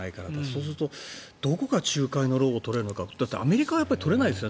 そうするとどこが仲介の労を取れるのかだってアメリカは取れないですよ